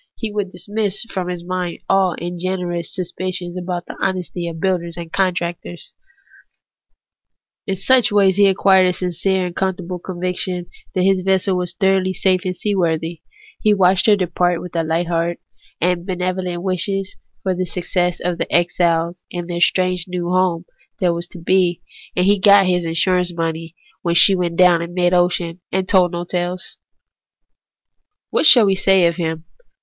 He would dismiss from his mind all ungenerous suspicions about the honesty of builders and contractors. In such ways he acquired a sincere and comfortable conviction that his vessel was thoroughly safe and seaworthy ; he watched her departure with a light heart, and benevo lent wishes for the success of the exiles in their strange 1 Contemporary Revieio, January, 1877. VOL. II. N 178 THE ETHICS OF BELIEF. new home that was to be ; and he got his insurance money when she went down in mid ocean and told no tales. What shall we say of him?